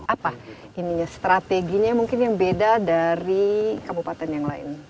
apa strateginya mungkin yang beda dari kabupaten yang lain